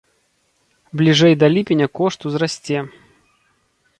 Бліжэй да ліпеня кошт узрасце.